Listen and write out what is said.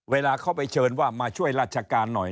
เวลาเขาไปเชิญว่ามาช่วยราชการหน่อย